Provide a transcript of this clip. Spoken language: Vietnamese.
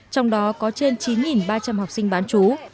trong đó có trên chín ba trăm linh học sinh bán chú